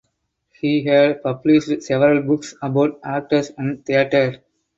He had published several books about actors and theater.